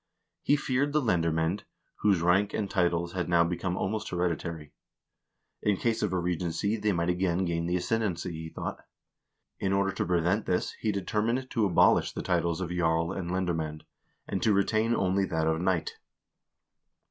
He feared the lendermcend, whose rank and titles had now become almost heredi tary. In case of a regency they might again gain the ascendency, he thought. In order to prevent this he determined to abolish the titlesof " jarl"and "lendermand,"and to retain only that of" knight."